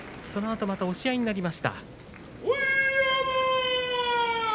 そのあとまた押し合いになりました。